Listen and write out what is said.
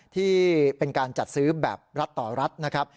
ที่เป็นการจัดซื้อแบบรัฐต่อรัฐนะครับ